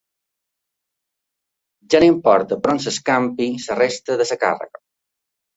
Ja no importa per on s'escampi la resta de la càrrega.